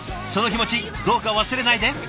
その気持ちどうか忘れないで。